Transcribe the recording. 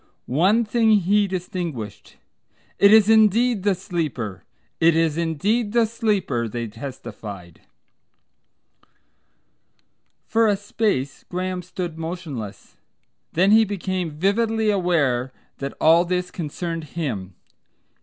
One thing he distinguished: "It is indeed the Sleeper. It is indeed the Sleeper," they testified. For a space Graham stood motionless. Then he became vividly aware that all this concerned him.